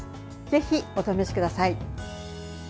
ぜひお試しください。